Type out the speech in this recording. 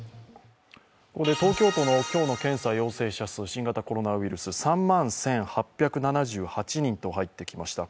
ここで東京都の今日の検査陽性者数、新型コロナウイルス、３万１８７８人と入ってきました。